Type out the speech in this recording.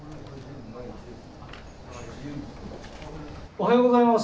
おはようございます。